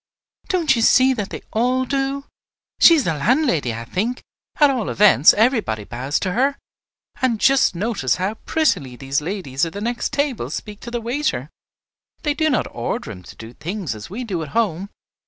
"Don't you see that they all do? She is the landlady, I think; at all events, everybody bows to her. And just notice how prettily these ladies at the next table speak to the waiter. They do not order him to do things as we do at home.